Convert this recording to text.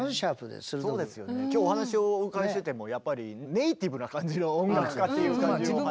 今日お話をお伺いしててもやっぱりネーティブな感じの音楽家っていう感じの。